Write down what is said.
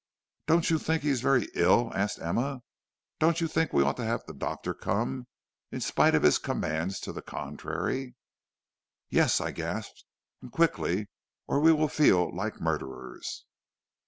"'Don't you think he is very ill?' asked Emma. 'Don't you think we ought to have the doctor come, in spite of his commands to the contrary?' "'Yes,' I gasped, 'and quickly, or we will feel like murderers.'